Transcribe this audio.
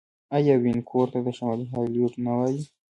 آیا وینکوور ته د شمال هالیوډ نه وايي؟